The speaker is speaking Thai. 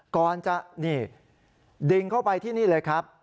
ก่อนจะนี่ดึงเข้าไปที่นี่เลยครับ